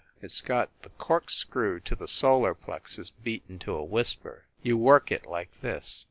It s got the corkscrew to the solar plexus beaten to a whisper. You work it like this."